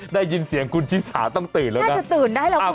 ได้ยินเสียงคุณชีสาต้องตื่นแล้วนะครับคุณผู้ชมน่าจะตื่นได้แล้ว